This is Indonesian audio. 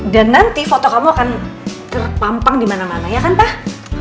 dan nanti foto kamu akan terpampang dimana mana ya kan pak